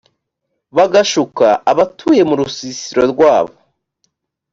bagashuka abatuye mu rusisiro rwabo